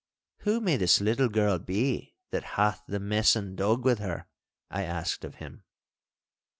'Who may this little girl be that hath the messan dog with her?' I asked of him.